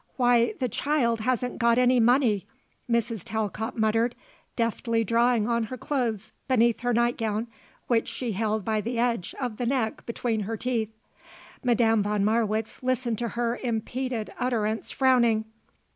Why, the child hasn't got any money," Mrs. Talcott muttered, deftly drawing on her clothes beneath her nightgown which she held by the edge of the neck between her teeth. Madame von Marwitz listened to her impeded utterance frowning.